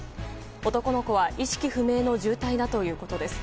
男の子は意識不明の重体だということです。